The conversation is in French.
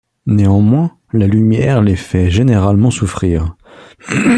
Néanmoins, la lumière les fait généralement souffrir.